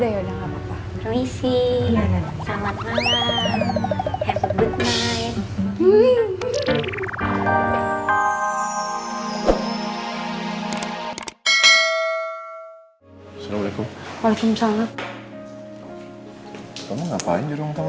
yaudah yaudah gapapa